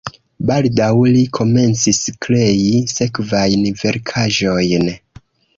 Baldaŭ li komencis krei sekvajn verkaĵojn.